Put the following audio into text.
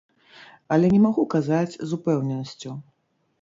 Але не магу казаць з упэўненасцю.